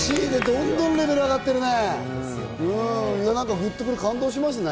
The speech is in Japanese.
どんどんレベルが上がってるね！